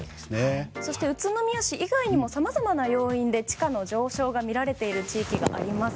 そして宇都宮市以外にもさまざまな要因で地価の上昇が見られている地域があります。